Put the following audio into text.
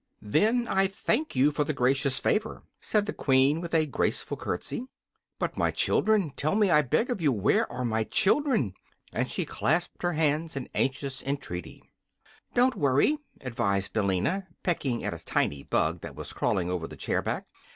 "Then I thank you for the gracious favor," said the Queen, with a graceful courtesy. "But, my children tell me, I beg of you where are my children?" and she clasped her hands in anxious entreaty. "Don't worry," advised Billina, pecking at a tiny bug that was crawling over the chair back.